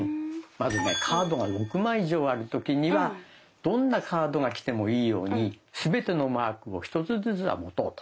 まずねカードが６枚以上ある時にはどんなカードが来てもいいように全てのマークを１つずつは持とうと。